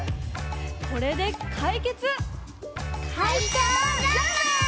これで解決。